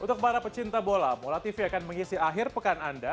untuk para pecinta bola mola tv akan mengisi akhir pekan anda